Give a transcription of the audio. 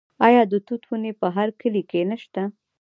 آیا د توت ونې په هر کلي کې نشته؟